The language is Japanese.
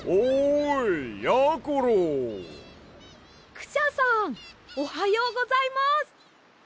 クシャさんおはようございます。